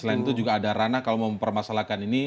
selain itu juga ada ranah kalau mempermasalahkan ini